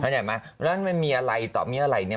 เข้าใจมั้ยแล้วมันมีอะไรต่อมีอะไรเนี่ย